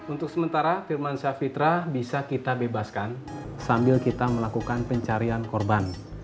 untuk sementara firman syafitra bisa kita bebaskan sambil kita melakukan pencarian korban